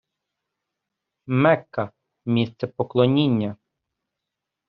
Мекка - місце поклоніння